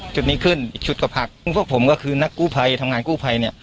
จุดนี้ขึ้นอีกชุดก็พักพวกผมก็คือนักกู้ภัยทำงานกู้ภัยเนี่ย